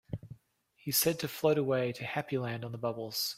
He said to float away to Happy Land on the bubbles.